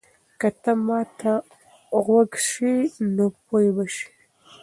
که ته ما ته غوږ سې نو پوه به سې.